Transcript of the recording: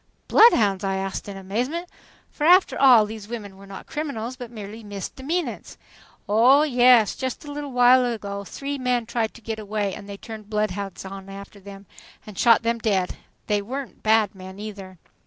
"Bloodhounds!" I asked in amazement, for after all these women were not criminals but merely misdemeanants. "Oh, yes. Just a little while ago, three men tried to get away and they turned bloodhounds after them and shot them dead and they weren't bad men either."